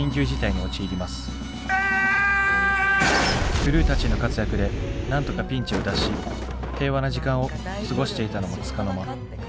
クルーたちの活躍でなんとかピンチを脱し平和な時間を過ごしていたのもつかの間。